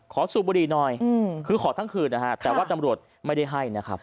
สูบบุหรี่หน่อยคือขอทั้งคืนนะฮะแต่ว่าตำรวจไม่ได้ให้นะครับ